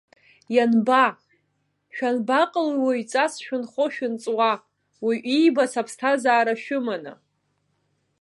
Ианба, шәанбаҟалои уаҩҵас шәынхо-шәынҵуа, уаҩы иибац аԥсҭазаара шәыманы?